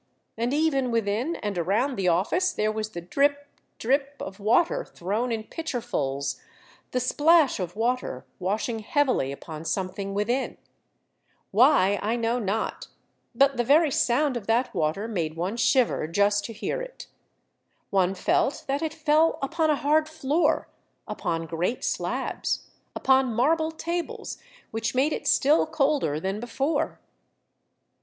And even within and around the office there was the drip ! drip ! of water thrown in pitcherfuls, the plash of water washing heavily upon something within. Why, I know not, but the very sound of A Book keeper, 203 that water made one shiver just to hear it. One felt that it fell upon a hard floor, upon great slabs, upon marble tables which made it still colder than before.